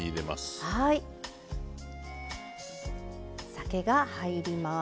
酒が入ります。